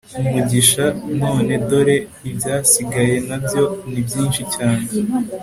umugisha d none dore ibyasigaye na byo ni byinshi cyane